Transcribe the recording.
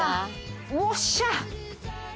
おっしゃ！